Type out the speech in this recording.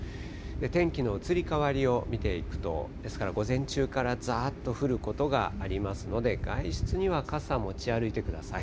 天気の移り変わりを見ていくと、ですから、午前中からざーっと降ることがありますので、外出には傘持ち歩いてください。